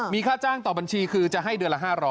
มีค่าจ้างต่อบัญชีคือจะให้เดือนละ๕๐๐